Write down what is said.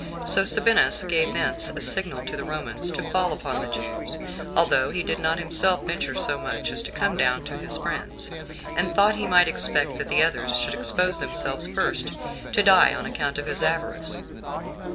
14 So Sabinus gave thence a signal to the Romans to fall upon the Jews, although he did not himself venture so much as to come down to his friends, and thought he might expect that the others should expose themselves first to die on account of his avarice.